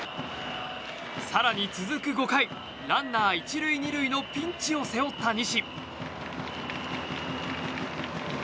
更に続く５回ランナー１塁２塁のピンチを背負った西。